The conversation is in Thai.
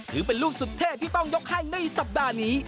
ถือเป็นลูกสุดเท่ที่ต้องยกให้ในสัปดาห์นี้